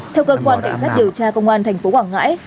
theo cơ quan cảnh sát điều tra công an tp quảng ngãi